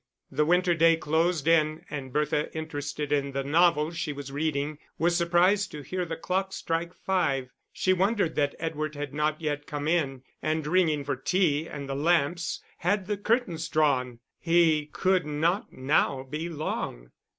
The winter day closed in and Bertha, interested in the novel she was reading, was surprised to hear the clock strike five. She wondered that Edward had not yet come in, and ringing for tea and the lamps, had the curtains drawn. He could not now be long.